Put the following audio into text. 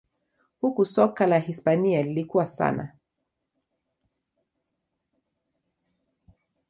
Huku soka la Hispania lilikua sana